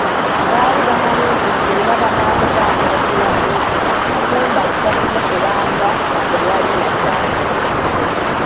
Baali bamanyi nti singa banaamugaana okulwana, Katumba ajja kumukubanga nga tewali nakyatya.